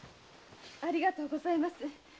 ありがとうございます。